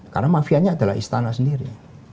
karena mafianya adalah istana sendiri